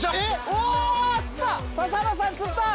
・お釣った笹野さん釣った！